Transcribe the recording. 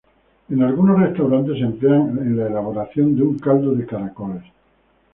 En algunos restaurantes se emplean en la elaboración de un caldo de caracoles.